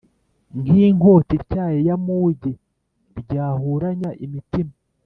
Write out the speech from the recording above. nk’inkota ityaye y’amugi ryahuranya imitima